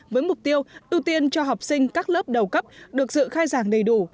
với mục tiêu ưu tiên cho học sinh các lớp đầu cấp được dự khai giảng đầy đủ